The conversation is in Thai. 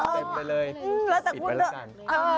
เอาเต็มไปเลยปิดไว้แล้วกัน